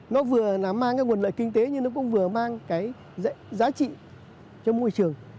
nó vừa là mang cái nguồn lợi kinh tế nhưng nó cũng vừa mang cái giá trị cho môi trường